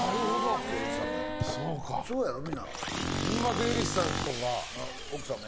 税理士さんとか。